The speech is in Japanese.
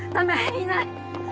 いない。